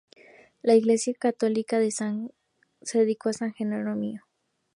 La Iglesia Católica se dedicó a San Jerónimo.